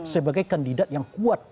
sebagai kandidat yang kuat